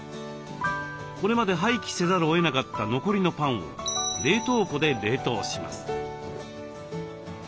これまで廃棄せざるをえなかった残りのパンを冷凍庫で冷凍します。